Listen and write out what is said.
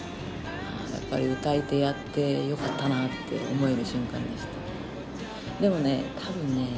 やっぱり歌い手やってよかったなって思える瞬間でした。